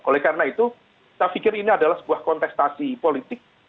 oleh karena itu saya pikir ini adalah sebuah kontestasi politik